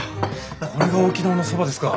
これが沖縄のそばですか。